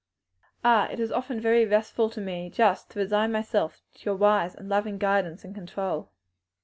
Ah, it is often very restful to me just to resign myself to your wise, loving guidance and control!"